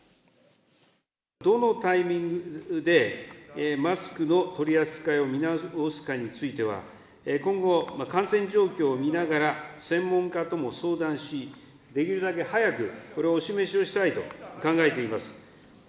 どのタイミングでマスクの取り扱いを見直すかについては、今後、感染状況を見ながら、専門家とも相談し、できるだけ早くこれをお示しをしたいと考えています。